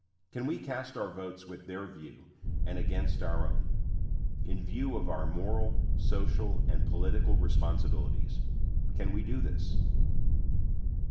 Can we cast our votes with their view, and against our own? In view of our moral, social, and political responsibilities, can we do this?